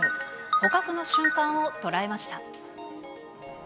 捕獲の瞬間を捉えました。